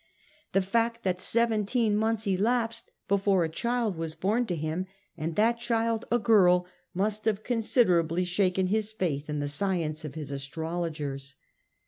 The fact that seventeen months elapsed before a child was born to him, and that child a girl, must have considerably shaken his faith in the science of his astrologers.